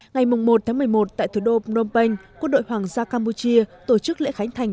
ngày một một mươi một tại thủ đô phnom penh quân đội hoàng gia campuchia tổ chức lễ khánh thành